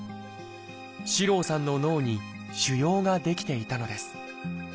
四郎さんの脳に腫瘍が出来ていたのです。